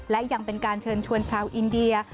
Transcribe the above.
และยังเป็นการเชิญชวนชาวอินเดีย